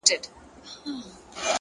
پوه انسان تل د حقیقت پلټونکی وي!.